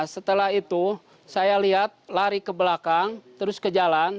setelah itu saya lihat lari ke belakang terus ke jalan